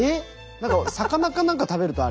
何か魚か何か食べるとあれ。